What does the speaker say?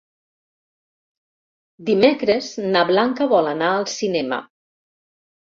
Dimecres na Blanca vol anar al cinema.